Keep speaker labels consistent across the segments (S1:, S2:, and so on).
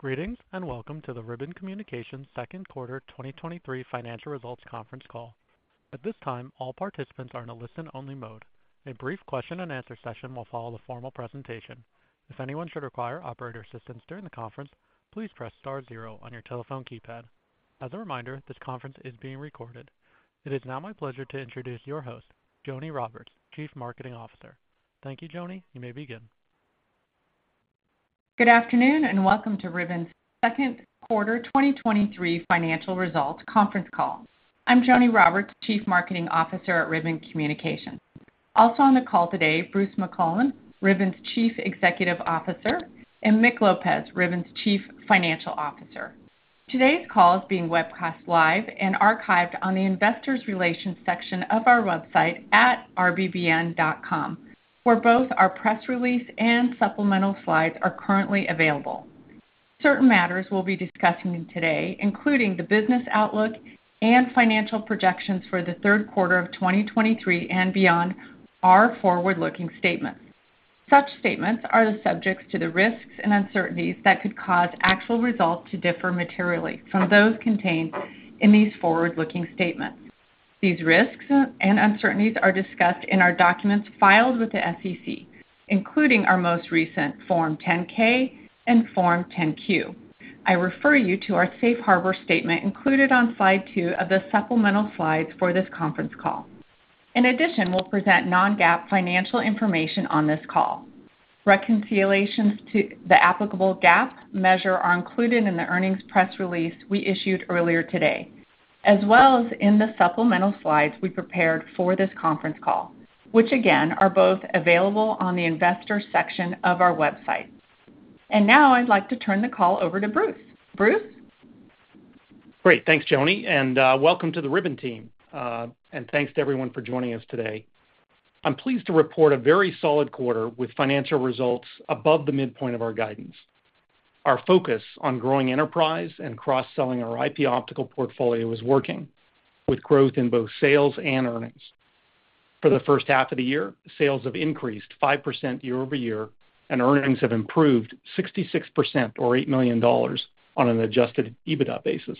S1: Greetings. Welcome to the Ribbon Communications Second Quarter 2023 Financial Results Conference Call. At this time, all participants are in a listen-only mode. A brief question and answer session will follow the formal presentation. If anyone should require operator assistance during the conference, please press star zero on your telephone keypad. As a reminder, this conference is being recorded. It is now my pleasure to introduce your host, Joni Roberts, Chief Marketing Officer. Thank you, Joni. You may begin.
S2: Good afternoon, welcome to Ribbon's Second Quarter 2023 Financial Results conference call. I'm Joni Roberts, Chief Marketing Officer at Ribbon Communications. Also on the call today, Bruce McClelland, Ribbon's Chief Executive Officer, and Mick Lopez, Ribbon's Chief Financial Officer. Today's call is being webcast live and archived on the Investor Relations section of our website at rbbn.com, where both our press release and supplemental slides are currently available. Certain matters we'll be discussing today, including the business outlook and financial projections for the third quarter of 2023 and beyond, are forward-looking statements. Such statements are subject to the risks and uncertainties that could cause actual results to differ materially from those contained in these forward-looking statements. These risks and uncertainties are discussed in our documents filed with the SEC, including our most recent Form 10-K and Form 10-Q. I refer you to our safe harbor statement included on slide two of the supplemental slides for this conference call. In addition, we'll present non-GAAP financial information on this call. Reconciliations to the applicable GAAP measure are included in the earnings press release we issued earlier today, as well as in the supplemental slides we prepared for this conference call, which, again, are both available on the Investors section of our website. Now I'd like to turn the call over to Bruce. Bruce?
S3: Great. Thanks, Joni, welcome to the Ribbon team. Thanks to everyone for joining us today. I'm pleased to report a very solid quarter with financial results above the midpoint of our guidance. Our focus on growing enterprise and cross-selling our IP Optical portfolio is working, with growth in both sales and earnings. For the first half of the year, sales have increased 5% year-over-year, and earnings have improved 66% or $8 million on an Adjusted EBITDA basis.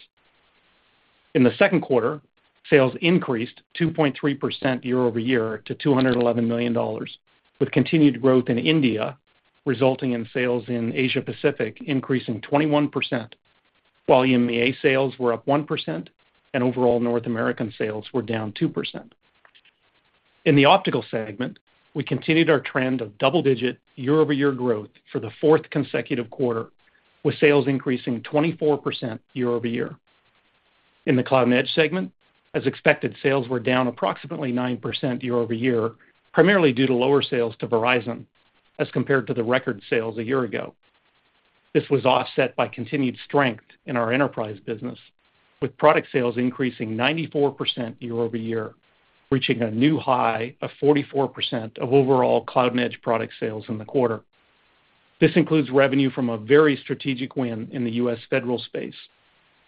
S3: In the second quarter, sales increased 2.3% year-over-year to $211 million, with continued growth in India, resulting in sales in Asia Pacific increasing 21%, while EMEA sales were up 1% and overall North American sales were down 2%. In the optical segment, we continued our trend of double-digit year-over-year growth for the fourth consecutive quarter, with sales increasing 24% year-over-year. In the Cloud and Edge segment, as expected, sales were down approximately 9% year-over-year, primarily due to lower sales to Verizon as compared to the record sales a year ago. This was offset by continued strength in our enterprise business, with product sales increasing 94% year-over-year, reaching a new high of 44% of overall Cloud and Edge product sales in the quarter. This includes revenue from a very strategic win in the U.S. federal space,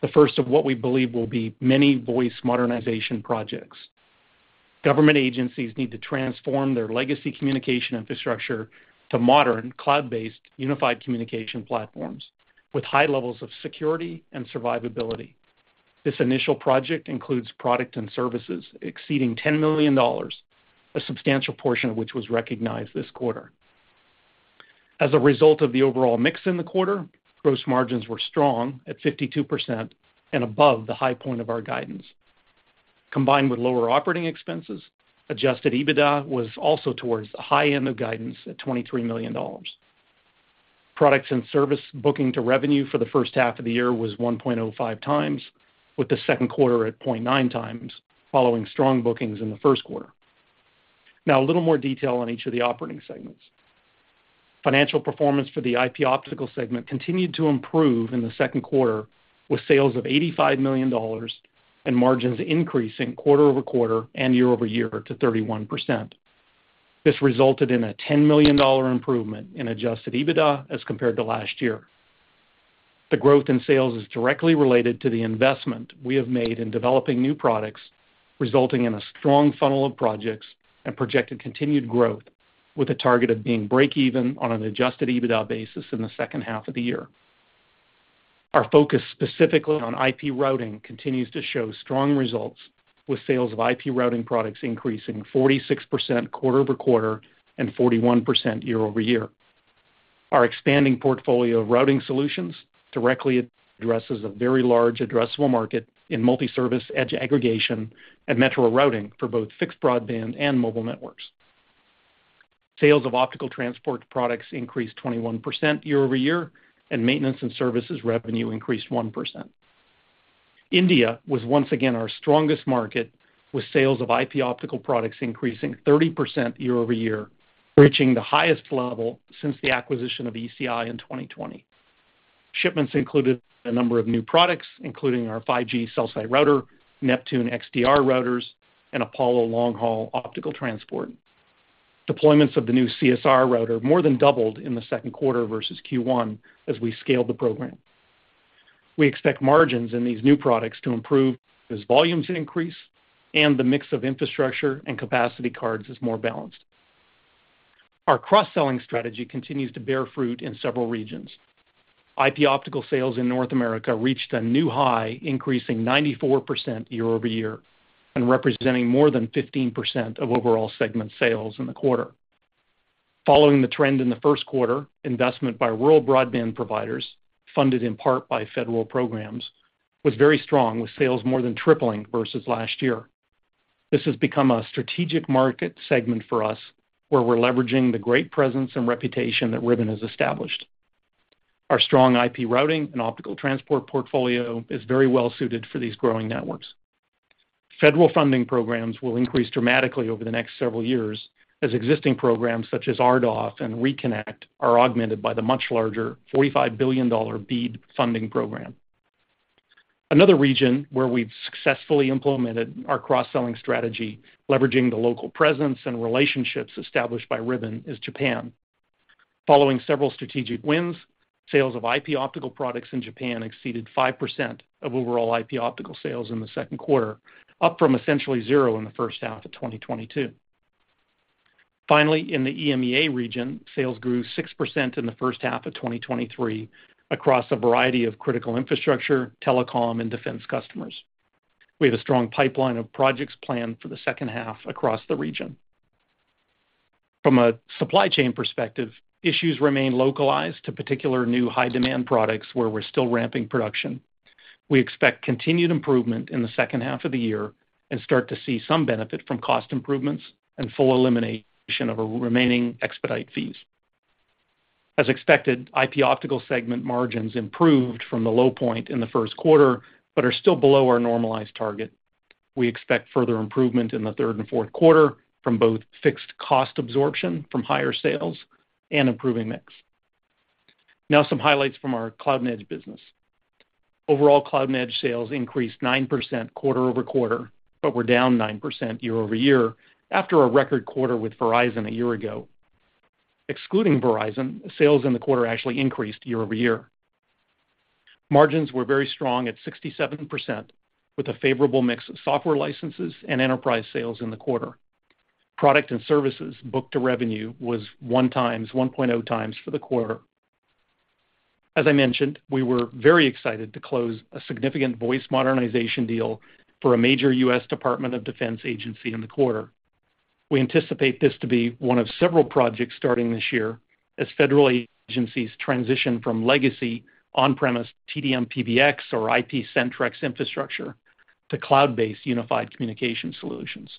S3: the first of what we believe will be many voice modernization projects. Government agencies need to transform their legacy communication infrastructure to modern, cloud-based, unified communication platforms with high levels of security and survivability. This initial project includes product and services exceeding $10 million, a substantial portion of which was recognized this quarter. As a result of the overall mix in the quarter, gross margins were strong at 52% and above the high point of our guidance. Combined with lower operating expenses, Adjusted EBITDA was also towards the high end of guidance at $23 million. Products and service booking to revenue for the first half of the year was 1.05 times, with the second quarter at 0.9 times, following strong bookings in the first quarter. A little more detail on each of the operating segments. Financial performance for the IP Optical segment continued to improve in the second quarter, with sales of $85 million and margins increasing quarter-over-quarter and year-over-year to 31%. This resulted in a $10 million improvement in Adjusted EBITDA as compared to last year. The growth in sales is directly related to the investment we have made in developing new products, resulting in a strong funnel of projects and projected continued growth, with a target of being break even on an Adjusted EBITDA basis in the second half of the year. Our focus specifically on IP routing continues to show strong results, with sales of IP routing products increasing 46% quarter-over-quarter and 41% year-over-year. Our expanding portfolio of routing solutions directly addresses a very large addressable market in multi-service edge aggregation and metro routing for both fixed broadband and mobile networks. Sales of optical transport products increased 21% year-over-year, and maintenance and services revenue increased 1%. India was once again our strongest market, with sales of IP Optical products increasing 30% year-over-year, reaching the highest level since the acquisition of ECI in 2020. Shipments included a number of new products, including our 5G Cell Site Router, Neptune XDR routers, and Apollo long-haul optical transport. Deployments of the new CSR router more than doubled in the second quarter versus Q1 as we scaled the program. We expect margins in these new products to improve as volumes increase and the mix of infrastructure and capacity cards is more balanced. Our cross-selling strategy continues to bear fruit in several regions. IP Optical sales in North America reached a new high, increasing 94% year-over-year, and representing more than 15% of overall segment sales in the quarter. Following the trend in the first quarter, investment by rural broadband providers, funded in part by federal programs, was very strong, with sales more than tripling versus last year. This has become a strategic market segment for us, where we're leveraging the great presence and reputation that Ribbon has established. Our strong IP routing and optical transport portfolio is very well suited for these growing networks. Federal funding programs will increase dramatically over the next several years, as existing programs such as RDOF and ReConnect are augmented by the much larger $45 billion BEAD funding program. Another region where we've successfully implemented our cross-selling strategy, leveraging the local presence and relationships established by Ribbon, is Japan. Following several strategic wins, sales of IP optical products in Japan exceeded 5% of overall IP optical sales in the second quarter, up from essentially zero in the first half of 2022. Finally, in the EMEA region, sales grew 6% in the first half of 2023 across a variety of critical infrastructure, telecom, and defense customers. We have a strong pipeline of projects planned for the second half across the region. From a supply chain perspective, issues remain localized to particular new high-demand products where we're still ramping production. We expect continued improvement in the second half of the year and start to see some benefit from cost improvements and full elimination of remaining expedite fees. As expected, IP Optical segment margins improved from the low point in the first quarter, but are still below our normalized target. We expect further improvement in the third and fourth quarter from both fixed cost absorption from higher sales and improving mix. Some highlights from our Cloud and Edge business. Overall, Cloud and Edge sales increased 9% quarter-over-quarter, but were down 9% year-over-year, after a record quarter with Verizon a year ago. Excluding Verizon, sales in the quarter actually increased year-over-year. Margins were very strong at 67%, with a favorable mix of software licenses and enterprise sales in the quarter. Product and services booked to revenue was one times, 1.0 times, for the quarter. As I mentioned, we were very excited to close a significant voice modernization deal for a major US Department of Defense agency in the quarter. We anticipate this to be one of several projects starting this year, as federal agencies transition from legacy on-premise TDM, PBX, or IP Centrex infrastructure to cloud-based unified communication solutions.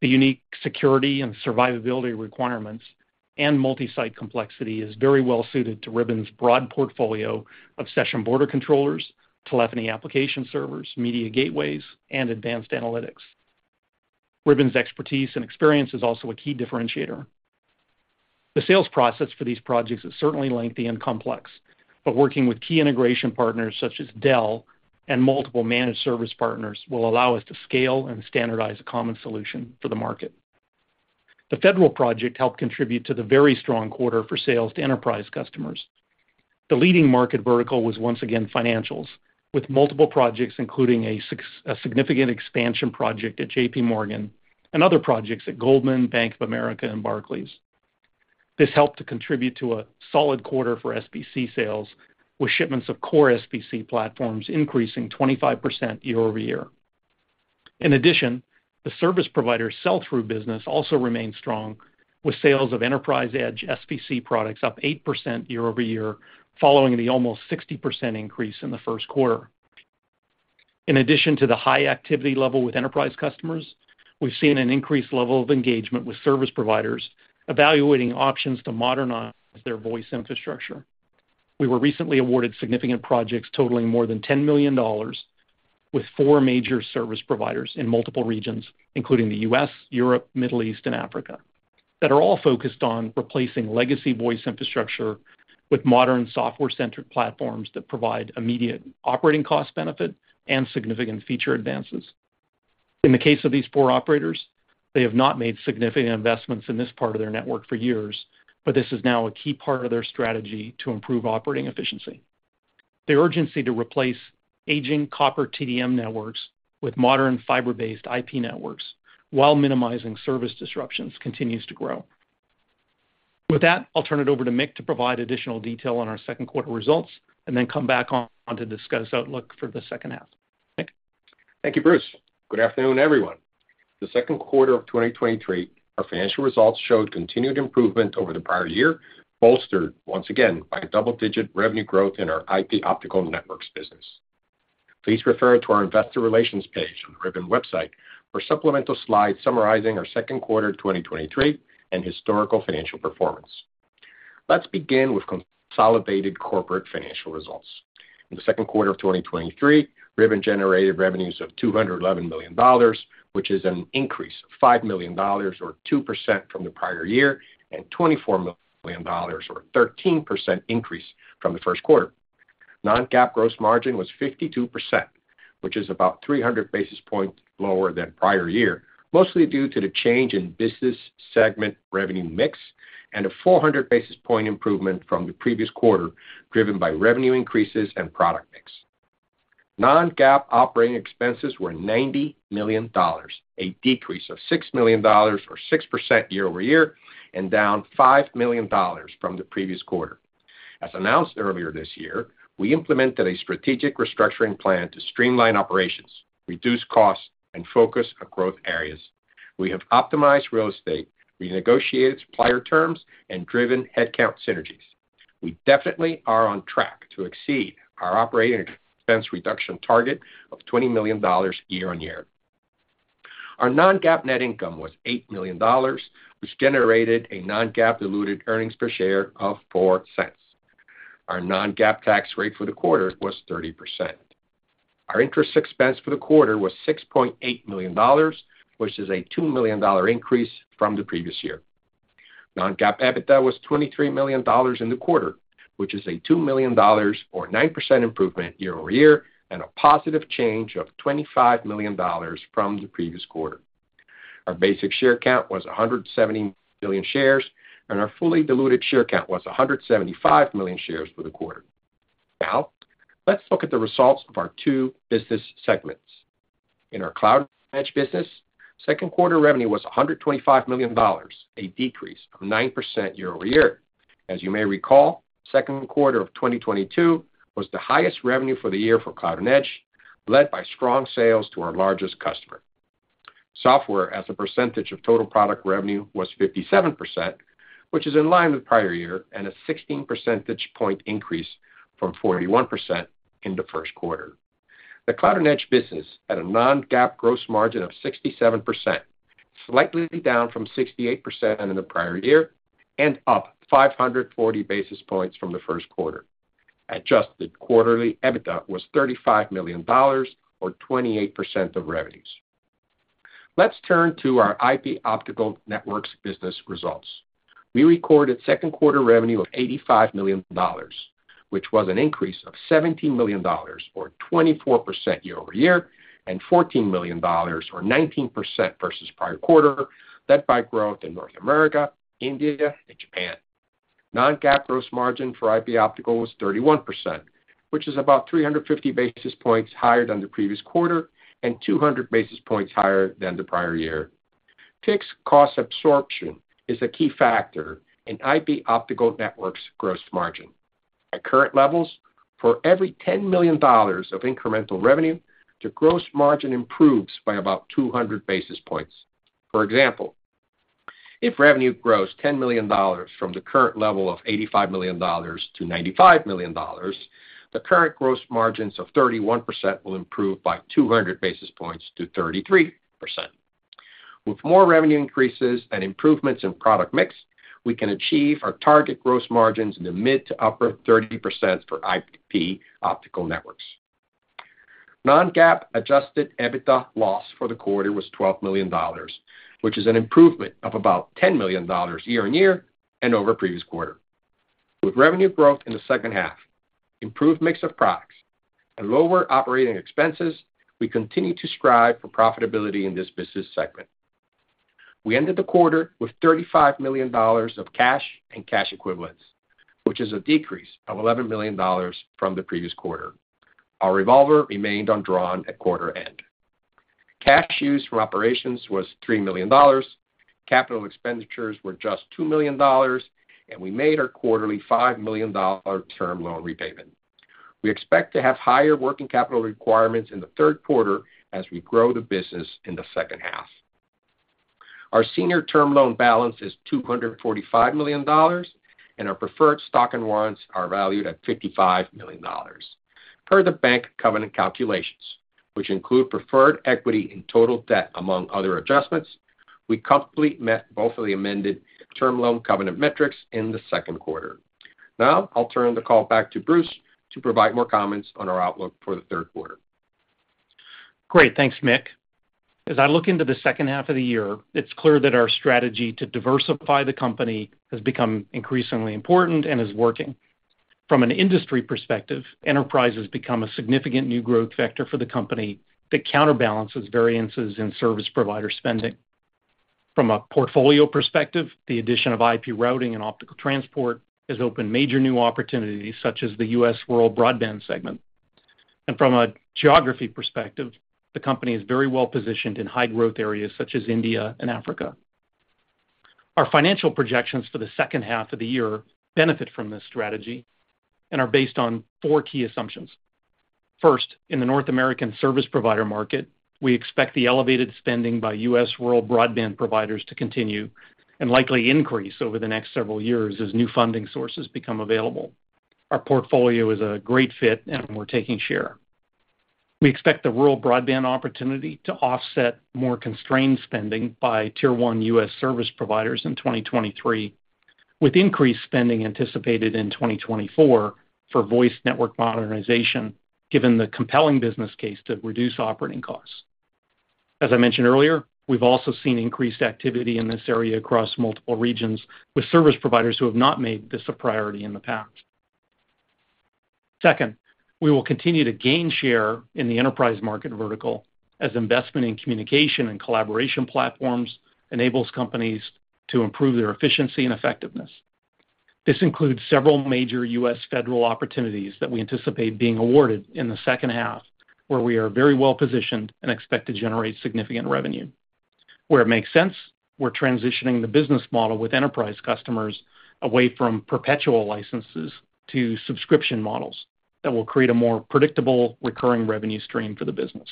S3: The unique security and survivability requirements and multi-site complexity is very well suited to Ribbon's broad portfolio of Session Border Controllers, telephony application servers, media gateways, and advanced analytics. Ribbon's expertise and experience is also a key differentiator. The sales process for these projects is certainly lengthy and complex, but working with key integration partners such as Dell and multiple managed service partners, will allow us to scale and standardize a common solution for the market. The federal project helped contribute to the very strong quarter for sales to enterprise customers. The leading market vertical was once again financials, with multiple projects, including a significant expansion project at JP Morgan and other projects at Goldman, Bank of America, and Barclays. This helped to contribute to a solid quarter for SBC sales, with shipments of core SBC platforms increasing 25% year-over-year. In addition, the service provider sell-through business also remained strong, with sales of enterprise edge SBC products up 8% year-over-year, following the almost 60% increase in the first quarter. In addition to the high activity level with enterprise customers, we've seen an increased level of engagement with service providers evaluating options to modernize their voice infrastructure. We were recently awarded significant projects totaling more than $10 million, with four major service providers in multiple regions, including the U.S., Europe, Middle East, and Africa, that are all focused on replacing legacy voice infrastructure with modern software-centric platforms that provide immediate operating cost benefit and significant feature advances. In the case of these four operators, they have not made significant investments in this part of their network for years, but this is now a key part of their strategy to improve operating efficiency. The urgency to replace aging copper TDM networks with modern fiber-based IP networks while minimizing service disruptions continues to grow. With that, I'll turn it over to Miguel to provide additional detail on our second quarter results and then come back on to discuss outlook for the second half. Mick?
S4: Thank you, Bruce. Good afternoon, everyone. The second quarter of 2023, our financial results showed continued improvement over the prior year, bolstered once again by double-digit revenue growth in our IP Optical Networks business. Please refer to our investor relations page on the Ribbon website for supplemental slides summarizing our second quarter 2023 and historical financial performance. Let's begin with consolidated corporate financial results. In the second quarter of 2023, Ribbon generated revenues of $211 million, which is an increase of $5 million, or 2% from the prior year, and $24 million or 13% increase from the first quarter. Non-GAAP gross margin was 52%.... which is about 300 basis points lower than prior year, mostly due to the change in business segment revenue mix, and a 400 basis point improvement from the previous quarter, driven by revenue increases and product mix. Non-GAAP operating expenses were $90 million, a decrease of $6 million, or 6% year-over-year, and down $5 million from the previous quarter. As announced earlier this year, we implemented a strategic restructuring plan to streamline operations, reduce costs, and focus on growth areas. We have optimized real estate, renegotiated supplier terms, and driven headcount synergies. We definitely are on track to exceed our operating expense reduction target of $20 million year-on-year. Our non-GAAP net income was $8 million, which generated a non-GAAP diluted earnings per share of $0.04. Our non-GAAP tax rate for the quarter was 30%. Our interest expense for the quarter was $6.8 million, which is a $2 million increase from the previous year. non-GAAP EBITDA was $23 million in the quarter, which is a $2 million or 9% improvement year-over-year, and a positive change of $25 million from the previous quarter. Our basic share count was 170 million shares, and our fully diluted share count was 175 million shares for the quarter. Let's look at the results of our two business segments. In our Cloud and Edge business, second quarter revenue was $125 million, a decrease of 9% year-over-year. As you may recall, second quarter of 2022 was the highest revenue for the year for Cloud and Edge, led by strong sales to our largest customer. Software as a percentage of total product revenue was 57%, which is in line with prior year, and a 16 percentage point increase from 41% in the first quarter. The Cloud and Edge business had a non-GAAP gross margin of 67%, slightly down from 68% in the prior year, and up 540 basis points from the first quarter. Adjusted quarterly EBITDA was $35 million or 28% of revenues. Let's turn to our IP Optical Networks business results. We recorded second quarter revenue of $85 million, which was an increase of $17 million or 24% year-over-year, and $14 million or 19% versus prior quarter, led by growth in North America, India, and Japan. Non-GAAP gross margin for IP Optical was 31%, which is about 350 basis points higher than the previous quarter and 200 basis points higher than the prior year. Fixed cost absorption is a key factor in IP Optical Networks gross margin. At current levels, for every $10 million of incremental revenue, the gross margin improves by about 200 basis points. For example, if revenue grows $10 million from the current level of $85 million-$95 million, the current gross margins of 31% will improve by 200 basis points to 33%. With more revenue increases and improvements in product mix, we can achieve our target gross margins in the mid to upper 30% for IP Optical Networks. Non-GAAP Adjusted EBITDA loss for the quarter was $12 million, which is an improvement of about $10 million year-on-year and over previous quarter. With revenue growth in the second half, improved mix of products, and lower operating expenses, we continue to strive for profitability in this business segment. We ended the quarter with $35 million of cash and cash equivalents, which is a decrease of $11 million from the previous quarter. Our revolver remained undrawn at quarter end. Cash use from operations was $3 million, capital expenditures were just $2 million, and we made our quarterly $5 million term loan repayment. We expect to have higher working capital requirements in the third quarter as we grow the business in the second half. Our senior-term loan balance is $245 million, and our preferred stock and warrants are valued at $55 million. Per the bank covenant calculations, which include preferred equity and total debt, among other adjustments, we comfortably met both of the amended term loan covenant metrics in the second quarter. Now I'll turn the call back to Bruce to provide more comments on our outlook for the third quarter.
S3: Great. Thanks, Mick. As I look into the second half of the year, it's clear that our strategy to diversify the company has become increasingly important and is working. From an industry perspective, enterprise has become a significant new growth vector for the company that counterbalances variances in service provider spending. From a portfolio perspective, the addition of IP routing and optical transport has opened major new opportunities, such as the U.S. rural broadband segment. From a geography perspective, the company is very well-positioned in high-growth areas such as India and Africa. Our financial projections for the second half of the year benefit from this strategy and are based on four key assumptions. First, in the North American service provider market, we expect the elevated spending by U.S. rural broadband providers to continue and likely increase over the next several years as new funding sources become available. Our portfolio is a great fit, and we're taking share. We expect the rural broadband opportunity to offset more constrained spending by Tier 1 US service providers in 2023, with increased spending anticipated in 2024 for voice network modernization, given the compelling business case to reduce operating costs. As I mentioned earlier, we've also seen increased activity in this area across multiple regions, with service providers who have not made this a priority in the past. Second, we will continue to gain share in the enterprise market vertical as investment in communication and collaboration platforms enables companies to improve their efficiency and effectiveness. This includes several major US federal opportunities that we anticipate being awarded in the second half, where we are very well positioned and expect to generate significant revenue. Where it makes sense, we're transitioning the business model with enterprise customers away from perpetual licenses to subscription models that will create a more predictable recurring revenue stream for the business.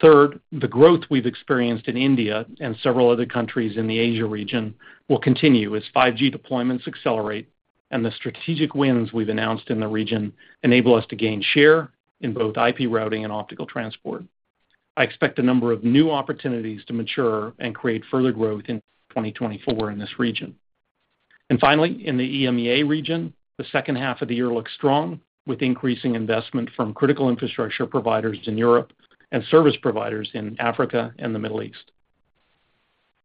S3: The growth we've experienced in India and several other countries in the Asia region will continue as 5G deployments accelerate and the strategic wins we've announced in the region enable us to gain share in both IP routing and optical transport. I expect a number of new opportunities to mature and create further growth in 2024 in this region. In the EMEA region, the second half of the year looks strong, with increasing investment from critical infrastructure providers in Europe and service providers in Africa and the Middle East.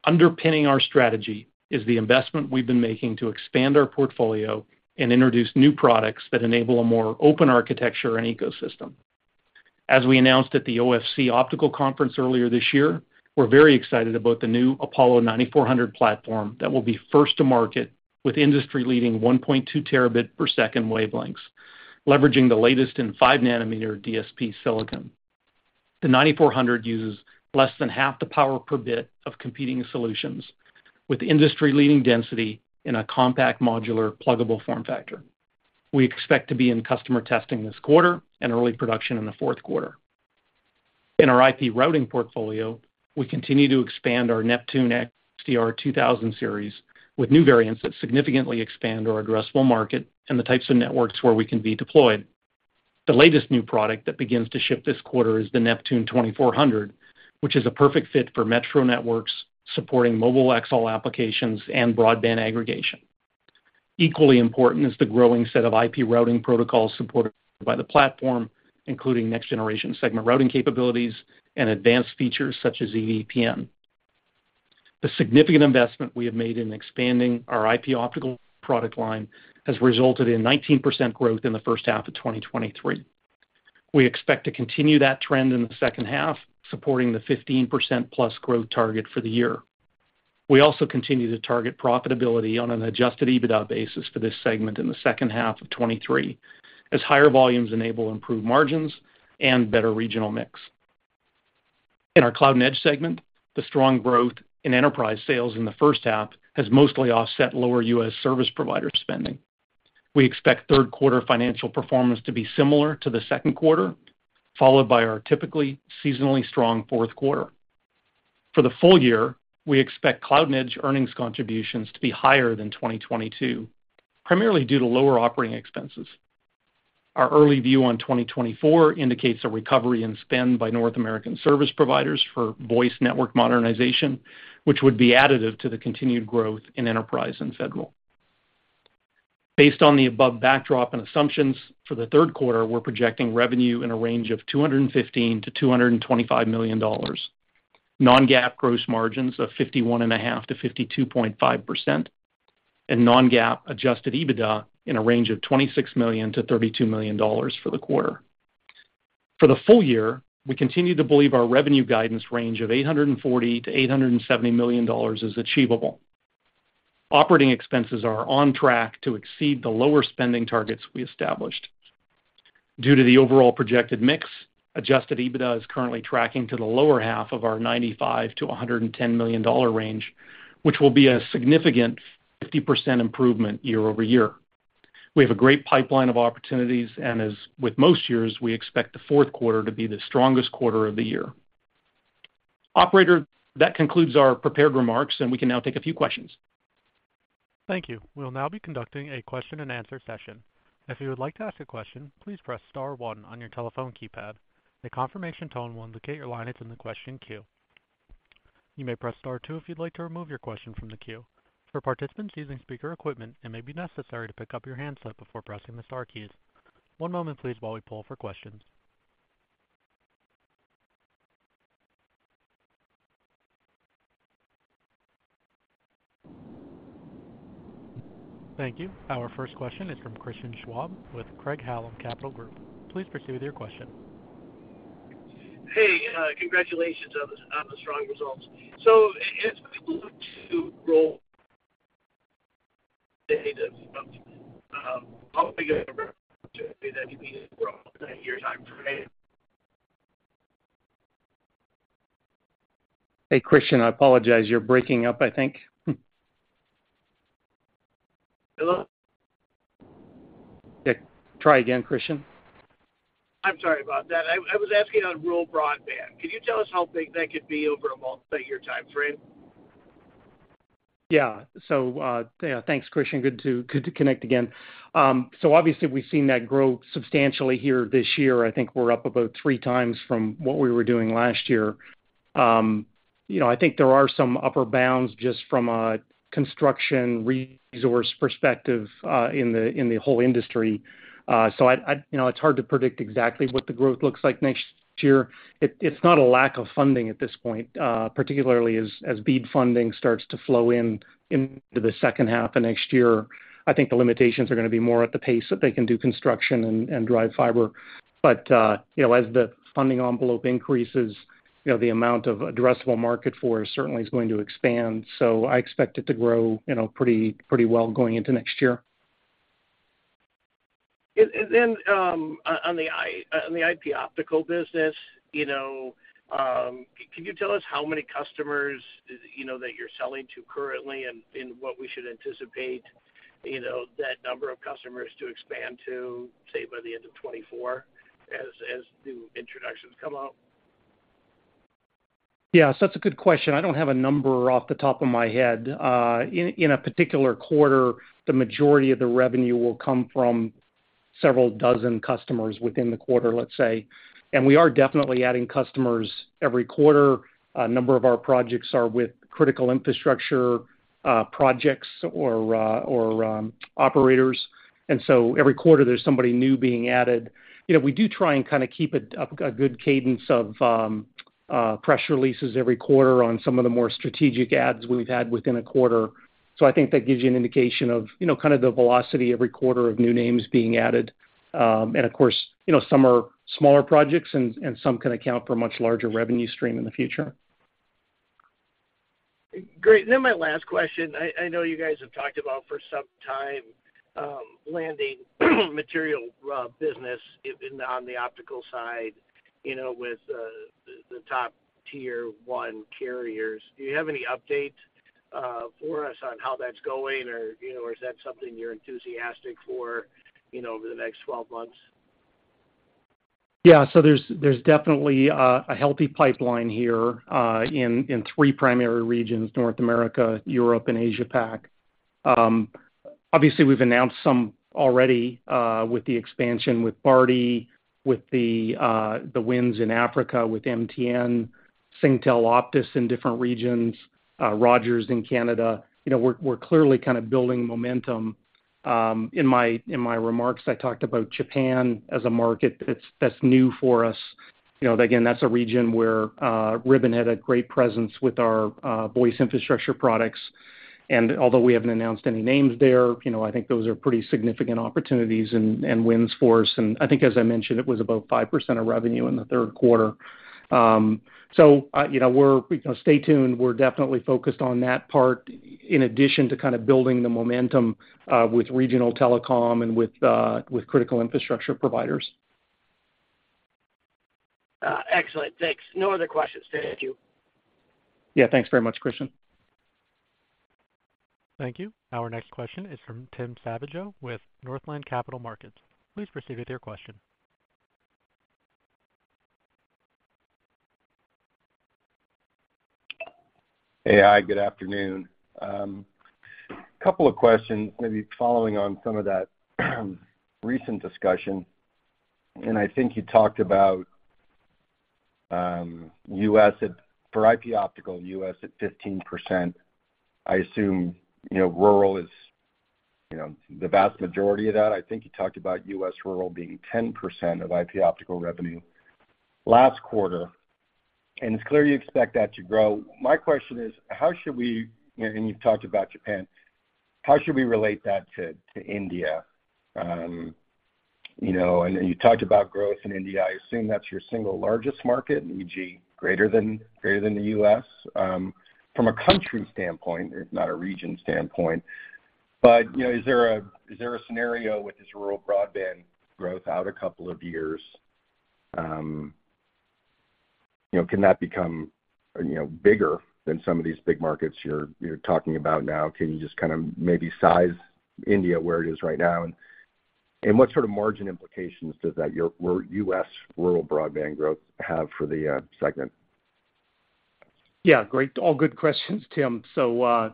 S3: Underpinning our strategy is the investment we've been making to expand our portfolio and introduce new products that enable a more open architecture and ecosystem. As we announced at the OFC Optical Conference earlier this year, we're very excited about the new Apollo 9400 platform that will be first to market with industry leading 1.2 terabit per second wavelengths, leveraging the latest in 5 nm DSP silicon. The 9400 uses less than half the power per bit of competing solutions, with industry-leading density in a compact, modular, pluggable form factor. We expect to be in customer testing this quarter and early production in the fourth quarter. In our IP routing portfolio, we continue to expand our Neptune XDR2000 series with new variants that significantly expand our addressable market and the types of networks where we can be deployed. The latest new product that begins to ship this quarter is the Neptune 2400, which is a perfect fit for metro networks, supporting mobile xHaul applications and broadband aggregation. Equally important is the growing set of IP routing protocols supported by the platform, including next generation Segment Routing capabilities and advanced features such as EVPN. The significant investment we have made in expanding our IP Optical product line has resulted in 19% growth in the first half of 2023. We expect to continue that trend in the second half, supporting the 15%+ growth target for the year. We also continue to target profitability on an Adjusted EBITDA basis for this segment in the second half of 23, as higher volumes enable improved margins and better regional mix. In our Cloud and Edge segment, the strong growth in enterprise sales in the first half has mostly offset lower U.S. service provider spending. We expect third quarter financial performance to be similar to the second quarter, followed by our typically seasonally strong fourth quarter. For the full year, we expect Cloud and Edge earnings contributions to be higher than 2022, primarily due to lower operating expenses. Our early view on 2024 indicates a recovery in spend by North American service providers for voice network modernization, which would be additive to the continued growth in enterprise and federal. Based on the above backdrop and assumptions, for the third quarter, we're projecting revenue in a range of $215 million-$225 million, non-GAAP gross margins of 51.5%-52.5%, and non-GAAP Adjusted EBITDA in a range of $26 million-$32 million for the quarter. For the full year, we continue to believe our revenue guidance range of $840 million-$870 million is achievable. Operating expenses are on track to exceed the lower spending targets we established. Due to the overall projected mix, Adjusted EBITDA is currently tracking to the lower half of our $95 million-$110 million range, which will be a significant 50% improvement year-over-year. As with most years, we expect the fourth quarter to be the strongest quarter of the year. Operator, that concludes our prepared remarks, we can now take a few questions.
S1: Thank you. We'll now be conducting a question-and-answer session. If you would like to ask a question, please press star one on your telephone keypad. A confirmation tone will indicate your line is in the question queue. You may press star two if you'd like to remove your question from the queue. For participants using speaker equipment, it may be necessary to pick up your handset before pressing the star keys. One moment, please, while we pull for questions. Thank you. Our first question is from Christian Schwab with Craig-Hallum Capital Group. Please proceed with your question.
S5: Hey, congratulations on the, on the strong results. As to roll.
S3: Hey, Christian, I apologize. You're breaking up, I think.
S5: Hello?
S3: Yeah, try again, Christian.
S5: I'm sorry about that. I was asking on rural broadband, can you tell us how big that could be over a multiyear time frame?
S3: Yeah. Thanks, Christian. Good to connect again. Obviously we've seen that grow substantially here this year. I think we're up about 3 times from what we were doing last year. You know, I think there are some upper bounds just from a construction resource perspective in the whole industry. I, you know, it's hard to predict exactly what the growth looks like next year. It's not a lack of funding at this point, particularly as BEAD funding starts to flow into the second half of next year. I think the limitations are going to be more at the pace that they can do construction and drive fiber. You know, as the funding envelope increases, you know, the amount of addressable market for it certainly is going to expand. I expect it to grow, you know, pretty well going into next year.
S5: On the IP Optical business, you know, can you tell us how many customers, you know, that you're selling to currently and what we should anticipate, you know, that number of customers to expand to, say, by the end of 2024 as new introductions come out?
S3: That's a good question. I don't have a number off the top of my head. In a particular quarter, the majority of the revenue will come from several dozen customers within the quarter, let's say. We are definitely adding customers every quarter. A number of our projects are with critical infrastructure, projects or operators. Every quarter, there's somebody new being added. You know, we do try and kind of keep it a good cadence of press releases every quarter on some of the more strategic ads we've had within a quarter. I think that gives you an indication of, you know, kind of the velocity every quarter of new names being added. Of course, you know, some are smaller projects and some can account for a much larger revenue stream in the future.
S5: Great. My last question, I know you guys have talked about for some time, landing material business in, on the optical side, you know, with the top Tier 1 carriers. Do you have any update for us on how that's going? Or, you know, is that something you're enthusiastic for, you know, over the next 12 months?
S3: Yeah, there's definitely a healthy pipeline here in 3 primary regions, North America, Europe, and Asia Pac. Obviously, we've announced some already with the expansion with Bharti, with the wins in Africa, with MTN, Singtel Optus in different regions, Rogers in Canada. You know, we're clearly kind of building momentum. In my remarks, I talked about Japan as a market that's new for us. You know, again, that's a region where Ribbon had a great presence with our voice infrastructure products. Although we haven't announced any names there, you know, I think those are pretty significant opportunities and wins for us. I think as I mentioned, it was about 5% of revenue in the third quarter. You know, stay tuned. We're definitely focused on that part in addition to kind of building the momentum, with regional telecom and with critical infrastructure providers.
S5: Excellent. Thanks. No other questions. Thank you.
S3: Yeah, thanks very much, Christian.
S1: Thank you. Our next question is from Tim Savageaux with Northland Capital Markets. Please proceed with your question.
S6: Hey, hi, good afternoon. Couple of questions, maybe following on some of that, recent discussion. I think you talked about, for IP Optical, US at 15%. I assume, you know, rural is, you know, the vast majority of that. I think you talked about US rural being 10% of IP Optical revenue last quarter, and it's clear you expect that to grow. My question is: how should we, and you've talked about Japan, how should we relate that to India? You know, and you talked about growth in India. I assume that's your single largest market, e.g., greater than the US, from a country standpoint, not a region standpoint. You know, is there a scenario with this rural broadband growth out 2 years, you know, can that become, you know, bigger than some of these big markets you're talking about now? Can you just kind of maybe size India where it is right now, and what sort of margin implications does that U.S. rural broadband growth have for the segment?
S3: Great. All good questions, Tim. The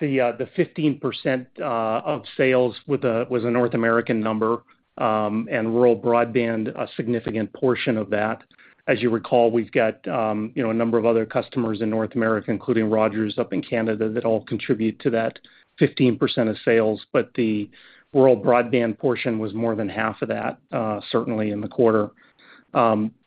S3: 15% of sales was a North American number, and rural broadband, a significant portion of that. As you recall, we've got, you know, a number of other customers in North America, including Rogers, up in Canada, that all contribute to that 15% of sales. The rural broadband portion was more than half of that, certainly in the quarter.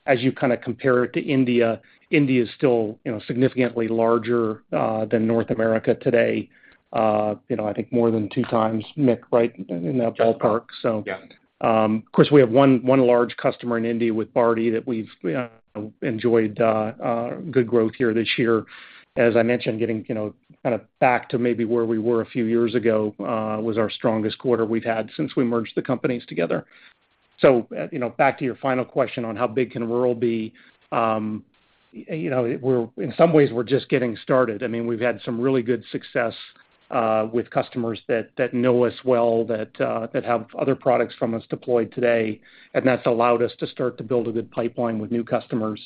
S3: As you kind of compare it to India is still, you know, significantly larger than North America today. You know, I think more than 2 times, Nick, right? In that ballpark.
S6: Yeah.
S3: Of course, we have one large customer in India with Bharti that we've enjoyed a good growth here this year. As I mentioned, getting, you know, kind of back to maybe where we were a few years ago, was our strongest quarter we've had since we merged the companies together. You know, back to your final question on how big can rural be? You know, in some ways, we're just getting started. I mean, we've had some really good success with customers that know us well, that have other products from us deployed today, and that's allowed us to start to build a good pipeline with new customers.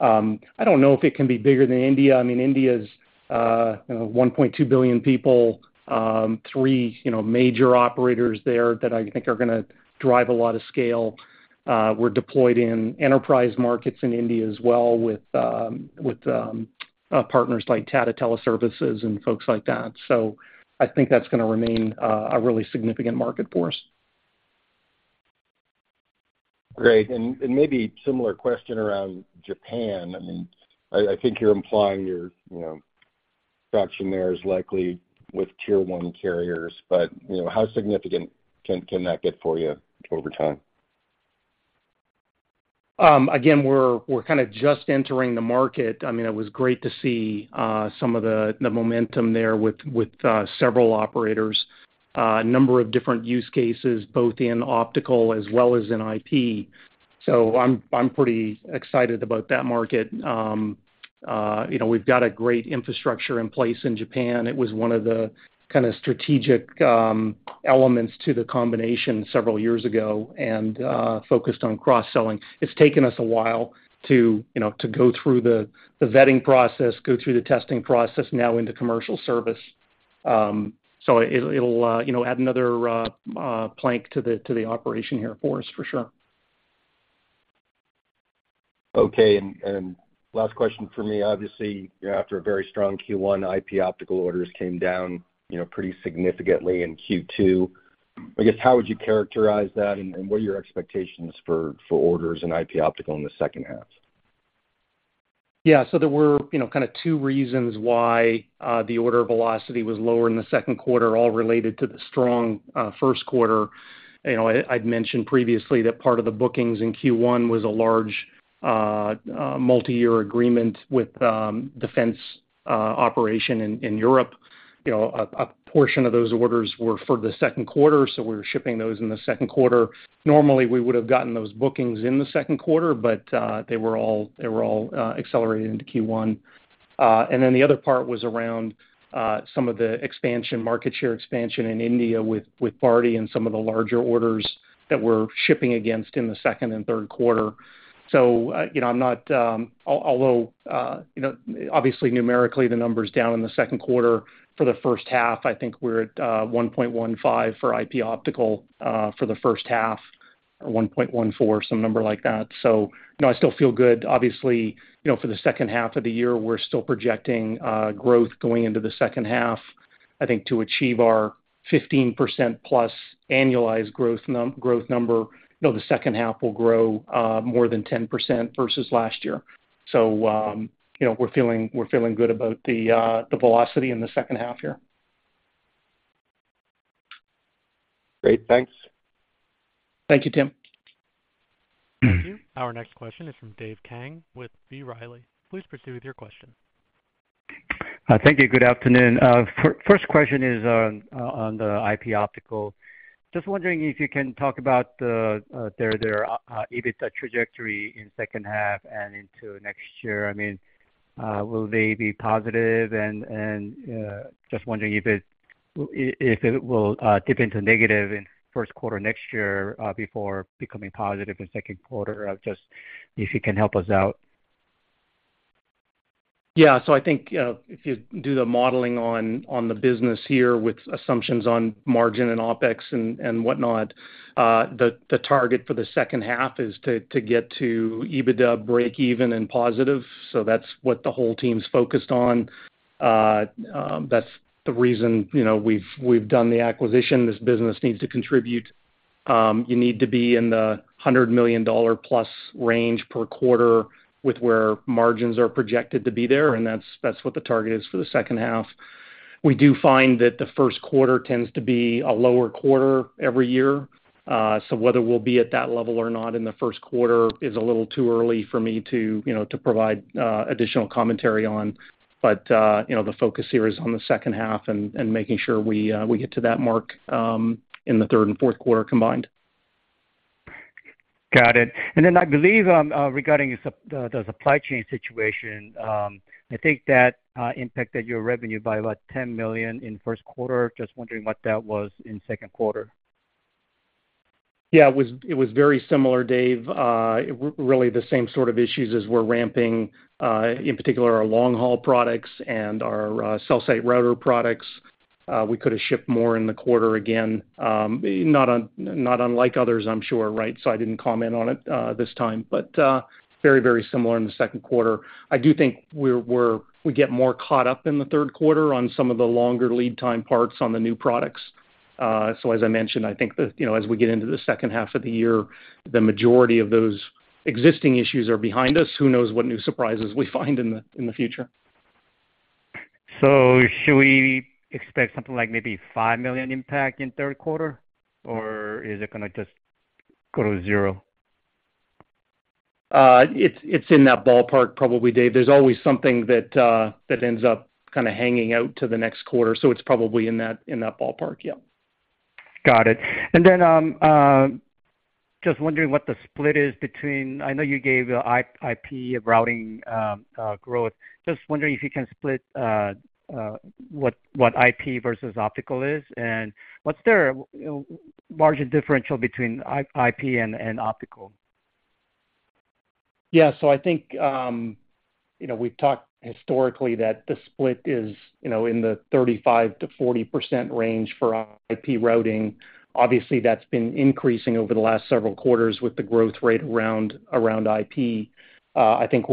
S3: I don't know if it can be bigger than India. I mean, India's, you know, 1.2 billion people, three, you know, major operators there that I think are going to drive a lot of scale. We're deployed in enterprise markets in India as well with partners like Tata Teleservices and folks like that. I think that's going to remain a really significant market for us.
S6: Great. Maybe similar question around Japan. I mean, I think you're implying your, you know, fraction there is likely with Tier 1 carriers, but, you know, how significant can that get for you over time?
S3: Again, we're kind of just entering the market. I mean, it was great to see some of the momentum there with several operators. A number of different use cases, both in optical as well as in IP. I'm pretty excited about that market. You know, we've got a great infrastructure in place in Japan. It was one of the kind of strategic elements to the combination several years ago and focused on cross-selling. It's taken us a while to, you know, to go through the vetting process, go through the testing process now into commercial service. It'll, you know, add another plank to the operation here for us, for sure.
S6: Last question for me. Obviously, after a very strong Q1, IP Optical orders came down, you know, pretty significantly in Q2. I guess, how would you characterize that, and what are your expectations for orders in IP Optical in the second half?
S3: Yeah. There were, you know, kind of two reasons why the order velocity was lower in the second quarter, all related to the strong first quarter. You know, I'd mentioned previously that part of the bookings in Q1 was a large multiyear agreement with defense operation in Europe. You know, a portion of those orders were for the second quarter, so we were shipping those in the second quarter. Normally, we would have gotten those bookings in the second quarter, but they were all accelerated into Q1. Then the other part was around some of the expansion, market share expansion in India with Bharti and some of the larger orders that we're shipping against in the second and third quarter. You know, I'm not... You know, obviously, numerically, the number's down in the second quarter. For the first half, I think we're at 1.15 for IP optical for the first half, or 1.14, some number like that. You know, I still feel good. Obviously, you know, for the second half of the year, we're still projecting growth going into the second half, I think, to achieve our 15%+ annualized growth number. You know, the second half will grow more than 10% versus last year. You know, we're feeling good about the velocity in the second half here.
S6: Great. Thanks.
S3: Thank you, Tim.
S1: Thank you. Our next question is from Dave Kang with B. Riley. Please proceed with your question.
S7: Thank you. Good afternoon. First question is on the IP Optical. Just wondering if you can talk about their EBITDA trajectory in second half and into next year. I mean, will they be positive? Just wondering if it will dip into negative in first quarter next year before becoming positive in second quarter. Just if you can help us out.
S3: I think if you do the modeling on the business here with assumptions on margin and OpEx and whatnot, the target for the second half is to get to EBITDA breakeven and positive. That's what the whole team's focused on. That's the reason, you know, we've done the acquisition. This business needs to contribute. You need to be in the $100 million plus range per quarter with where margins are projected to be there, and that's what the target is for the second half. We do find that the first quarter tends to be a lower quarter every year. Whether we'll be at that level or not in the first quarter is a little too early for me to, you know, to provide additional commentary on. You know, the focus here is on the second half and making sure we get to that mark, in the third and fourth quarter combined.
S7: Got it. I believe, regarding the supply chain situation, I think that impacted your revenue by about $10 million in first quarter. Just wondering what that was in second quarter.
S3: Yeah, it was, it was very similar, Dave. Really the same sort of issues as we're ramping in particular, our long-haul products and our Cell Site Router products. We could have shipped more in the quarter again, not unlike others, I'm sure, right? I didn't comment on it this time. Very, very similar in the second quarter. I do think we get more caught up in the third quarter on some of the longer lead time parts on the new products. As I mentioned, I think the, you know, as we get into the second half of the year, the majority of those existing issues are behind us. Who knows what new surprises we find in the future?
S7: Should we expect something like maybe $5 million impact in third quarter, or is it going to just go to zero?
S3: It's in that ballpark probably, Dave. There's always something that ends up kind of hanging out to the next quarter, so it's probably in that ballpark.
S7: Got it. Then, just wondering what the split is between... I know you gave IP routing growth. Just wondering if you can split what IP versus optical is, and what's their, you know, margin differential between IP and optical?
S3: Yeah. I think, you know, we've talked historically that the split is, you know, in the 35%-40% range for IP routing. Obviously, that's been increasing over the last several quarters with the growth rate around IP. I think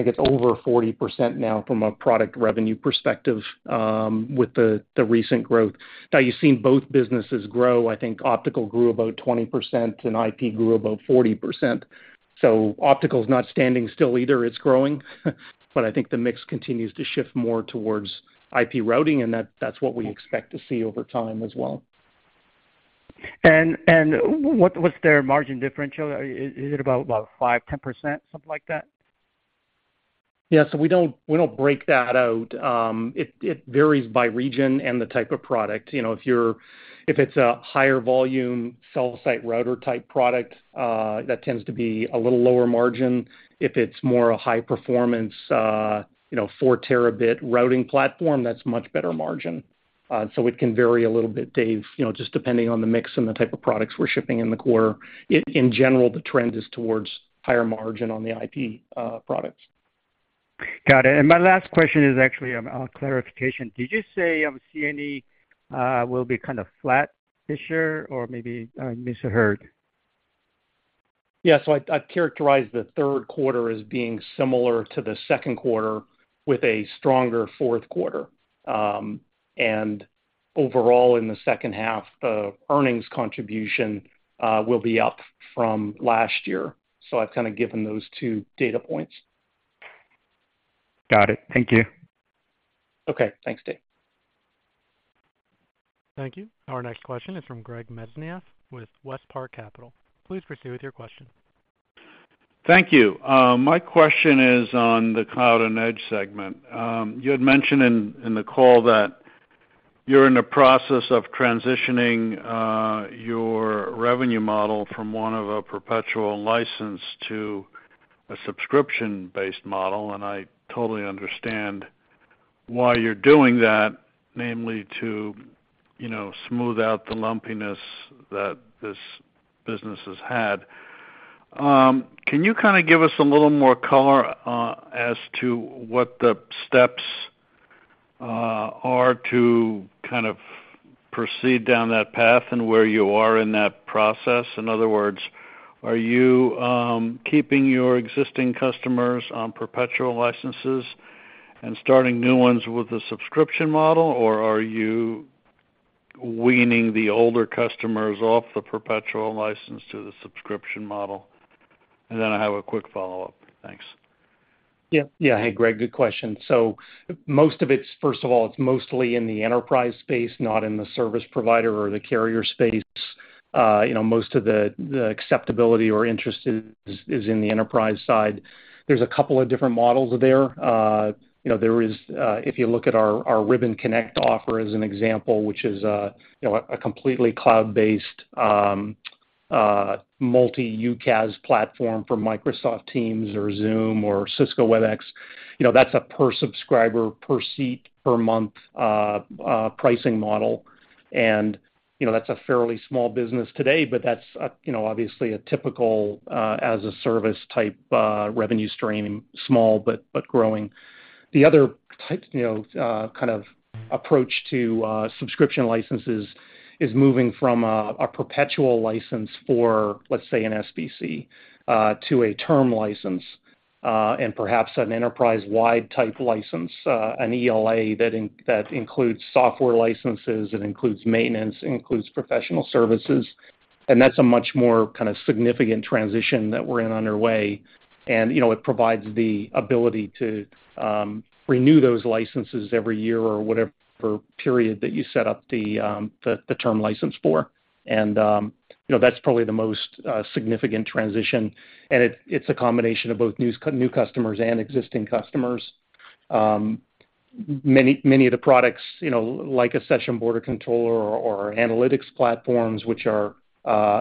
S3: it's over 40% now from a product revenue perspective, with the recent growth. Now, you've seen both businesses grow. I think Optical grew about 20% and IP grew about 40%. Optical's not standing still either. It's growing, but I think the mix continues to shift more towards IP routing, and that's what we expect to see over time as well....
S7: what's their margin differential? Is it about 5%, 10%, something like that?
S3: We don't break that out. It varies by region and the type of product. You know, if it's a higher volume Cell Site Router-type product, that tends to be a little lower margin. If it's more a high-performance, you know, 4-terabit routing platform, that's much better margin. It can vary a little bit, Dave, you know, just depending on the mix and the type of products we're shipping in the quarter. In general, the trend is towards higher margin on the IP products.
S7: Got it. My last question is actually a clarification. Did you say CNE will be kind of flat this year, or maybe I misheard?
S3: I'd characterize the third quarter as being similar to the second quarter, with a stronger fourth quarter. Overall, in the second half, the earnings contribution will be up from last year. I've kind of given those two data points.
S7: Got it. Thank you.
S3: Okay. Thanks, Dave.
S1: Thank you. Our next question is from Greg Mesniaeff with WestPark Capital. Please proceed with your question.
S8: Thank you. My question is on the Cloud and Edge segment. You had mentioned in the call that you're in the process of transitioning, your revenue model from one of a perpetual license to a subscription-based model. I totally understand why you're doing that, namely to, you know, smooth out the lumpiness that this business has had. Can you kind of give us a little more color as to what the steps are to kind of proceed down that path and where you are in that process? In other words, are you keeping your existing customers on perpetual licenses and starting new ones with a subscription model, or are you weaning the older customers off the perpetual license to the subscription model? I have a quick follow-up. Thanks.
S3: Yeah. Yeah. Hey, Greg, good question. First of all, it's mostly in the enterprise space, not in the service provider or the carrier space. you know, most of the acceptability or interest is in the enterprise side. There's a couple of different models there. you know, there is, if you look at our Ribbon Connect offer as an example, which is, you know, a completely cloud-based, multi-UCaaS platform for Microsoft Teams, or Zoom, or Cisco Webex, you know, that's a per subscriber, per seat, per month pricing model. you know, that's a fairly small business today, but that's a, you know, obviously a typical as-a-service type revenue stream, small but growing. The other type, you know, kind of approach to subscription licenses is moving from a perpetual license for, let's say, an SBC to a term license and perhaps an enterprise-wide type license, an ELA that includes software licenses, it includes maintenance, it includes professional services, and that's a much more kind of significant transition that we're in underway. You know, it provides the ability to renew those licenses every year or whatever period that you set up the term license for. You know, that's probably the most significant transition, and it's a combination of both new customers and existing customers. many of the products, you know, like a Session Border Controller or analytics platforms, which are,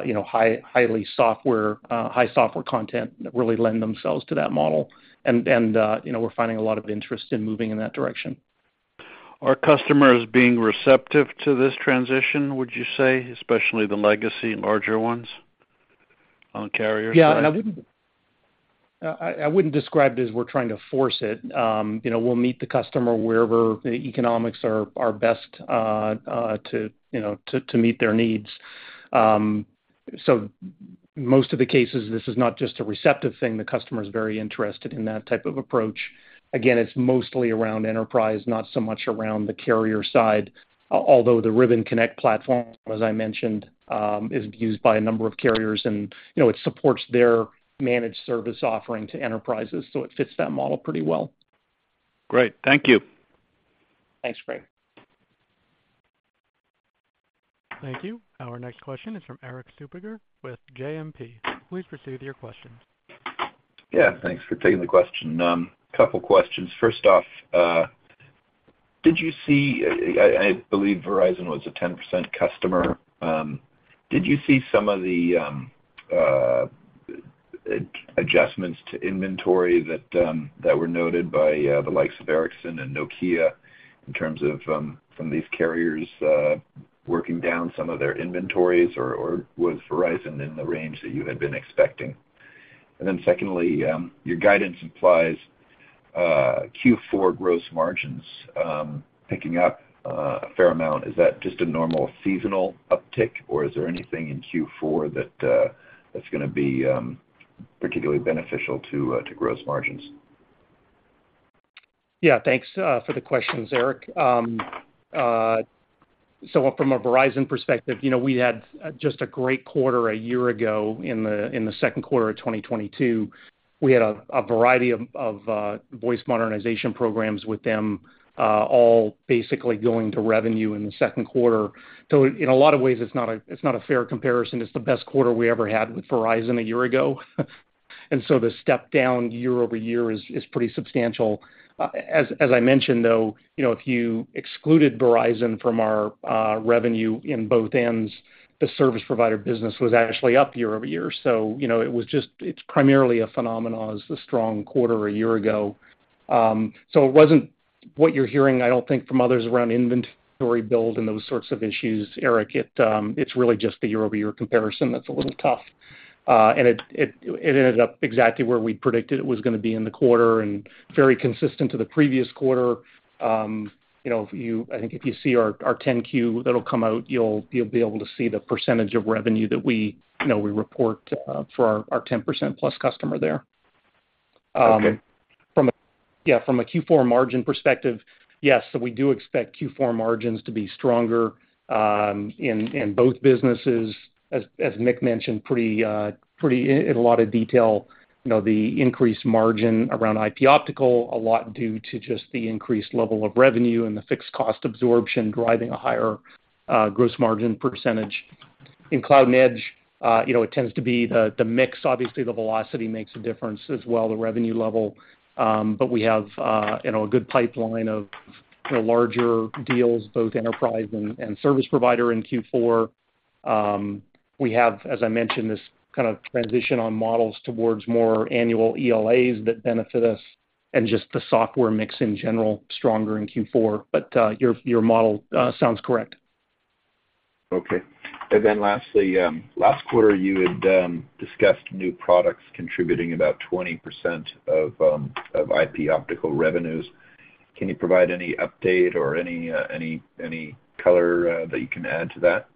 S3: you know, highly software, high software content, that really lend themselves to that model. you know, we're finding a lot of interest in moving in that direction.
S8: Are customers being receptive to this transition, would you say, especially the legacy, larger ones on carriers?
S3: I wouldn't describe it as we're trying to force it. You know, we'll meet the customer wherever the economics are best, you know, to meet their needs. Most of the cases, this is not just a receptive thing. The customer is very interested in that type of approach. Again, it's mostly around enterprise, not so much around the carrier side, although the Ribbon Connect platform, as I mentioned, is used by a number of carriers, you know, it supports their managed service offering to enterprises, it fits that model pretty well.
S8: Great. Thank you.
S3: Thanks, Greg.
S1: Thank you. Our next question is from Erik Suppiger with JMP. Please proceed with your question.
S9: Yeah, thanks for taking the question. A couple questions. First off, did you see, I believe Verizon was a 10% customer. Did you see some of the adjustments to inventory that were noted by the likes of Ericsson and Nokia in terms of some of these carriers working down some of their inventories, or was Verizon in the range that you had been expecting? Secondly, your guidance implies Q4 gross margins picking up a fair amount. Is that just a normal seasonal uptick, or is there anything in Q4 that's gonna be particularly beneficial to gross margins?
S3: Yeah. Thanks for the questions, Erik. From a Verizon perspective, you know, we had just a great quarter a year ago in the second quarter of 2022. We had a variety of voice modernization programs with them, all basically going to revenue in the second quarter. In a lot of ways, it's not a fair comparison. It's the best quarter we ever had with Verizon a year ago. The step down year-over-year is pretty substantial. As I mentioned, though, you know, if you excluded Verizon from our revenue in both ends, the service provider business was actually up year-over-year. It was just, it's primarily a phenomenon, as a strong quarter a year ago. It wasn't what you're hearing, I don't think, from others around inventory build and those sorts of issues, Erik. It's really just the year-over-year comparison that's a little tough. It ended up exactly where we predicted it was gonna be in the quarter and very consistent to the previous quarter. You know, I think if you see our 10-Q that'll come out, you'll be able to see the percentage of revenue that we, you know, we report for our 10% plus customer there.
S9: Okay.
S3: From a Q4 margin perspective, yes, we do expect Q4 margins to be stronger in both businesses. As Nick mentioned, pretty in a lot of detail, you know, the increased margin around IP Optical, a lot due to just the increased level of revenue and the fixed cost absorption driving a higher gross margin percentage. In Cloud and Edge, you know, it tends to be the mix. Obviously, the velocity makes a difference as well, the revenue level. We have, you know, a good pipeline of, you know, larger deals, both enterprise and service provider in Q4. We have, as I mentioned, this kind of transition on models towards more annual ELAs that benefit us and just the software mix in general, stronger in Q4. Your model sounds correct.
S9: Okay, and then lastly, last quarter, you had discussed new products contributing about 20% of IP Optical revenues. Can you provide any update or any color that you can add to that?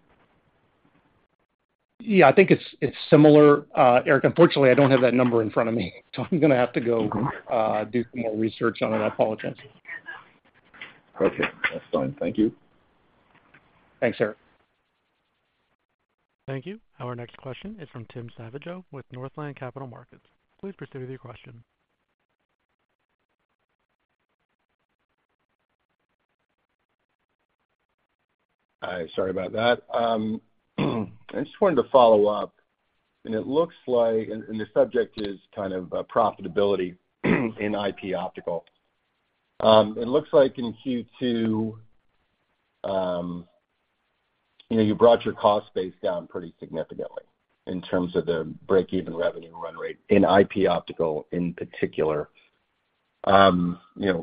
S3: Yeah, I think it's similar. Erik, unfortunately, I don't have that number in front of me, I'm gonna have to go.
S9: Okay.
S3: Do some more research on it. I apologize.
S9: Okay, that's fine. Thank you.
S3: Thanks, Erik.
S1: Thank you. Our next question is from Tim Savageaux with Northland Capital Markets. Please proceed with your question.
S6: Hi, sorry about that. I just wanted to follow up, and it looks like the subject is kind of profitability in IP Optical. It looks like in Q2, you brought your cost base down pretty significantly in terms of the break-even revenue run rate in IP Optical, in particular. I don't know,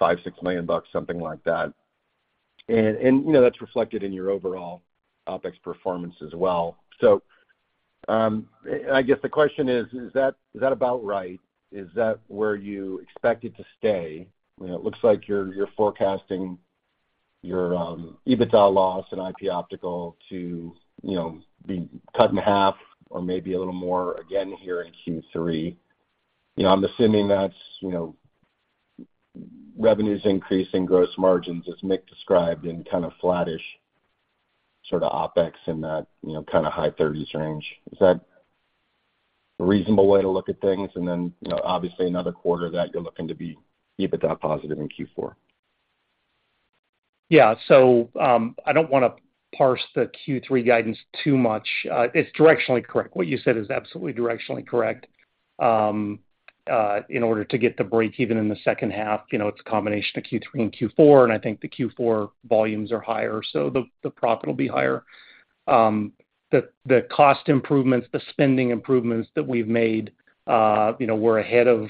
S6: $5 million-$6 million, something like that. That's reflected in your overall OpEx performance as well. I guess the question is: Is that about right? Is that where you expect it to stay? It looks like you're forecasting your EBITDA loss in IP Optical to be cut in half or maybe a little more again here in Q3. You know, I'm assuming that's, you know, revenues increasing gross margins, as Nick described, in kind of flattish sort of OpEx in that, you know, kind of high thirties range. Is that a reasonable way to look at things? You know, obviously another quarter that you're looking to be EBITDA positive in Q4.
S3: I don't want to parse the Q3 guidance too much. It's directionally correct. What you said is absolutely directionally correct. In order to get the break even in the second half, you know, it's a combination of Q3 and Q4, and I think the Q4 volumes are higher, so the profit will be higher. The cost improvements, the spending improvements that we've made, you know, we're ahead of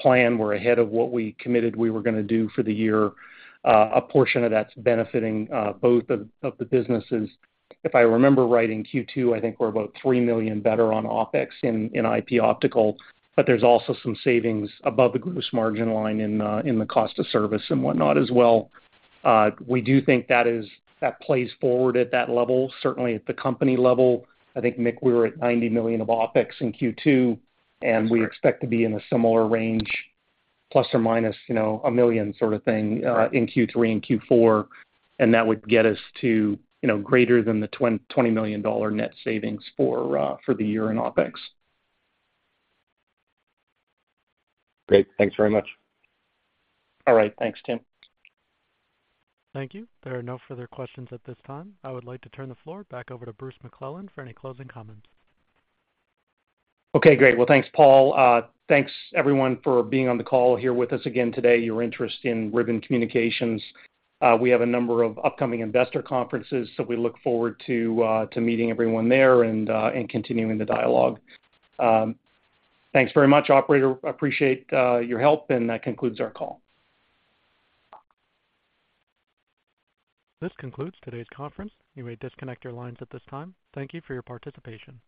S3: plan, we're ahead of what we committed we were going to do for the year. A portion of that's benefiting both of the businesses. If I remember right, in Q2, I think we're about $3 million better on OpEx in IP Optical, but there's also some savings above the gross margin line in the cost of service and whatnot as well. We do think that plays forward at that level, certainly at the company level. I think, Nick, we were at $90 million of OpEx in Q2. We expect to be in a similar range, plus or minus, you know, $1 million sort of thing, in Q3 and Q4. That would get us to, you know, greater than the $20 million net savings for the year in OpEx.
S6: Great. Thanks very much.
S3: All right. Thanks, Tim.
S1: Thank you. There are no further questions at this time. I would like to turn the floor back over to Bruce McClelland for any closing comments.
S3: Okay, great. Well, thanks, Paul. Thanks, everyone, for being on the call here with us again today, your interest in Ribbon Communications. We have a number of upcoming investor conferences, so we look forward to meeting everyone there and continuing the dialogue. Thanks very much, operator. Appreciate your help, and that concludes our call.
S1: This concludes today's conference. You may disconnect your lines at this time. Thank you for your participation.